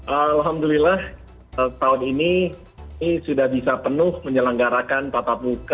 alhamdulillah tahun ini sudah bisa penuh menyelenggarakan patah buka